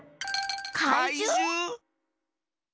かいじゅう？